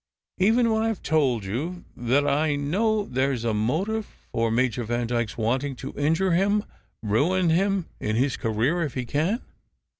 "Even when I ve told you that I know there s a motive for Major Vandyke s wanting to injure him, ruin him in his career if he can?